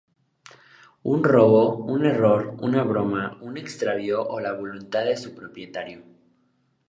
Un robo, un error, una broma, un extravió o la voluntad de su propietario.